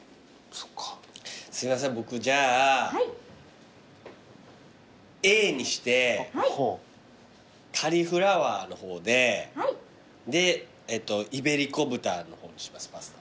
すいません僕じゃあＡにしてカリフラワーの方でイベリコ豚の方にしますパスタ。